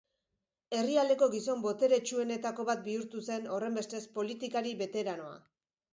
Herrialdeko gizon boteretsuenetako bat bihurtu zen, horrenbestez, politikari beteranoa.